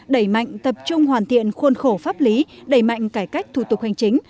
đẩy mạnh tập trung hoàn thiện khuôn khổ pháp lý đẩy mạnh cải cách thủ tục hành chính